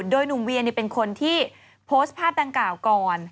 โดยหนุ่มเวียเป็นคนที่โพสต์ภาพดังกล่าวก่อน